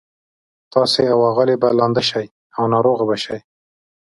تاسي او آغلې به لانده شئ او ناروغه به شئ.